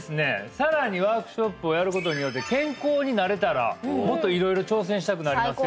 さらにワークショップをやることによって健康になれたらもっと色々挑戦したくなりますよね